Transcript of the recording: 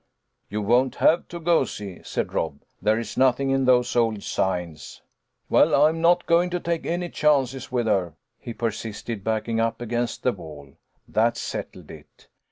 " You won't have to, goosey," said Rob. " There's nothing in those old signs." "Well, I am not going to take any chances with her," he persisted, backing up against the wall. That settled it.